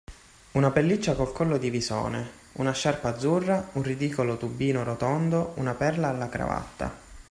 Una pelliccia col collo di visone, una sciarpa azzurra, un ridicolo tubino rotondo, una perla alla cravatta.